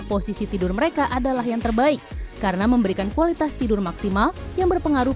posisi tidur mereka adalah yang terbaik karena memberikan kualitas tidur maksimal yang berpengaruh